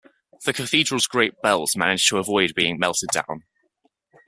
The cathedral's great bells managed to avoid being melted down.